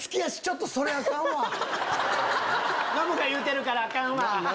ノブが言うてるからアカンわ。